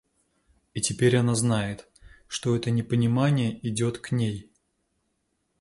И теперь она знает, что это непонимание идет к ней.